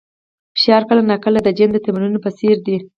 فشار کله ناکله د جیم د تمرین په څېر دی.